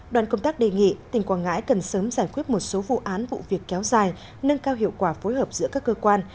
đoàn công tác đề nghị tỉnh quảng ngãi cần sớm giải quyết một số vụ án vụ việc kéo dài nâng cao hiệu quả phối hợp giữa các cơ quan